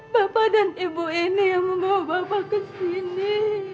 bapak dan ibu ini yang membawa bapak ke sini